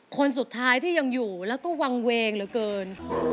คนสุดท้ายที่ยังอยู่แล้วก็วางเวงเหลือเกิน